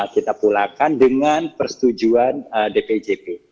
kita pulakan dengan persetujuan dpjp